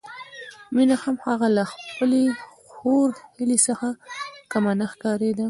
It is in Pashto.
مينه هم هغه له خپلې خور هيلې څخه کمه نه ښکارېده